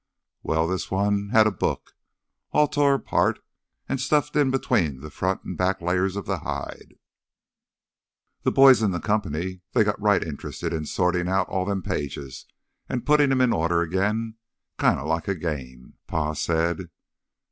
Well, this one had a book all tore apart an' stuffed in between th' front an' back layers of hide. Th' boys in th' company, they got right interested in sortin' out all them pages an' puttin' 'em in order agin, kinda like a game, Pa said.